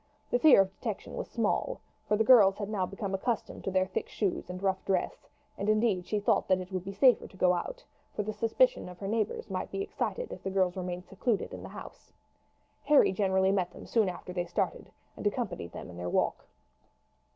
The fear of detection was small, for the girls had now become accustomed to their thick shoes and rough dress; and indeed she thought that it would be safer to go out, for the suspicions of her neighbours might be excited if the girls remained secluded in the house. Harry generally met them soon after they started, and accompanied them in their walk.